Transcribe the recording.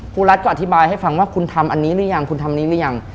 รัฐก็อธิบายให้ฟังว่าคุณทำอันนี้หรือยังคุณทำนี้หรือยัง